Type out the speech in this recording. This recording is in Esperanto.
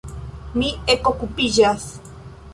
Mi ekokupiĝas.